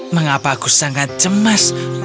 mengapa aku sangat cemas